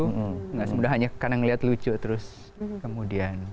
nggak semudah hanya karena ngelihat lucu terus kemudian